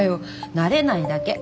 慣れないだけ。